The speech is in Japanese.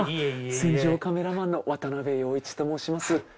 戦場カメラマンの渡部陽一と申します。